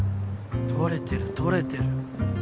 撮れてる撮れてる。